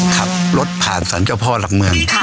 ขับรถผ่านสรรเจ้าพ่อหลักเมือง